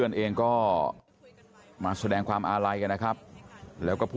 คุณพ่อของน้องจีบอกว่าที่บอกว่าพ่อของอีกคิวมาร่วมแสดงความอารัยในงานสวดศพของน้องจีด้วยคุณพ่อก็ไม่ทันเห็นนะครับ